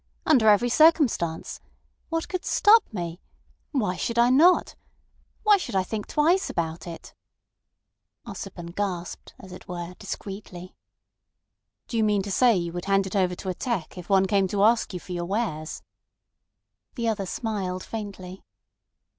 Under every circumstance. What could stop me? Why should I not? Why should I think twice about it?" Ossipon gasped, as it were, discreetly. "Do you mean to say you would hand it over to a 'teck' if one came to ask you for your wares?" The other smiled faintly.